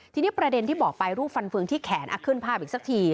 ทีนี้ประเด็นที่บอกไปรูปฟันเฟืองที่แขนขึ้นภาพอีกสักที